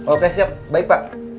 oke siap baik pak